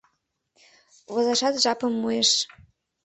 — Возашат жапым муэш...